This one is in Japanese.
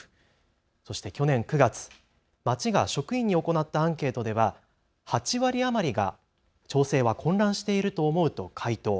そして去年９月、町が職員に行ったアンケートでは８割余りが町政は混乱していると思うと回答。